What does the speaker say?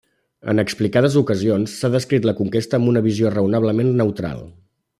En explicades ocasions s'ha descrit la Conquesta amb una visió raonablement neutral.